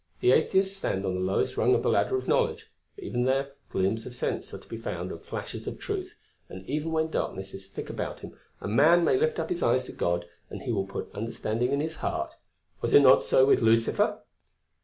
The atheists stand on the lowest rung of the ladder of knowledge; but even there, gleams of sense are to be found and flashes of truth, and even when darkness is thick about him, a man may lift up his eyes to God, and He will put understanding in his heart; was it not so with Lucifer?"